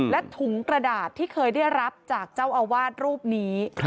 และถุงกระดาษที่เคยได้รับจากเจ้าอาวาสรูปนี้